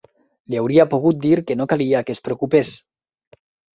Li hauria pogut dir que no calia que es preocupés